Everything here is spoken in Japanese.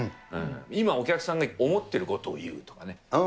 今、お客さんが思ってることをいうとかね。